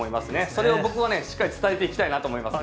それを僕はね、しっかり伝えていきたいと思いますね。